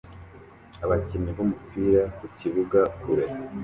Abakinnyi b'umupira mu kibuga kure